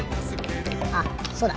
あそうだ！